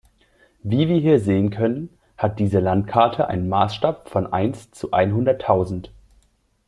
Wie wir hier sehen können, hat diese Landkarte einen Maßstab von eins zu einhunderttausend.